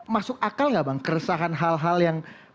masuk akal nggak bang keresahan hal hal yang